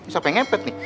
sampai ngepet nih